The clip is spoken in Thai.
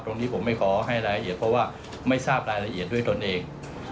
ตรงนี้ผมไม่ขอให้รายละเอียดเพราะว่าไม่ทราบรายละเอียดด้วยตนเอง